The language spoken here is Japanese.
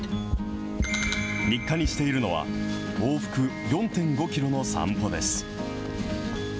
日課にしているのは、往復４．５キロの散歩です。